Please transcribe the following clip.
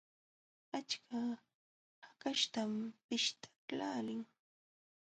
Achka hakaśhtam pishtaqlaalin.